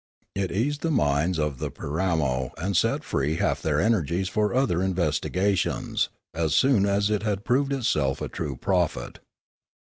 It eased the minds of the Pi ramo and set free half their energies for other investi gations, as soon as it had proved itself a true prophet.